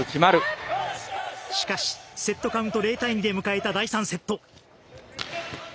しかし、セットカウント０対２で迎えた第３セット。